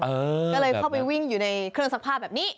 ก็เลยเข้าไปวิ่งอยู่ในเครื่องซักผ้าแบบนี้